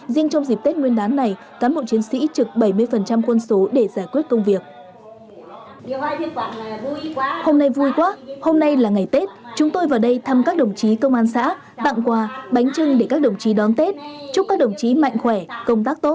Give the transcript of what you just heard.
riêng trong dịp tết nguyên đán này cán bộ chiến sĩ trực bảy mươi quân số để giải quyết công việc